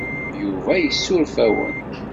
Yuba yessuref-awen.